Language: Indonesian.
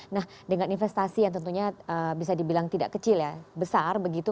nah dengan investasi yang tentunya bisa dibilang tidak kecil ya besar begitu